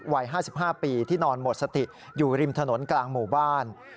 วัย๕๕ปีที่นอนหมดสติอยู่ริมถนนกลางหมู่บ้าน